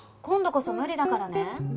今度こそ無理だからね。